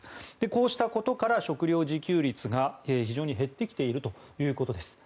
こうしたことから食料自給率が非常に減ってきているということです。